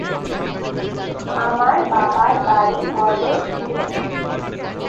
আমার বাবার বাড়ি ময়মনসিংহে।